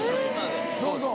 そうそう。